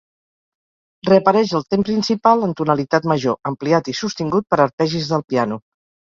Reapareix el tem principal en tonalitat major, ampliat i sostingut per arpegis del piano.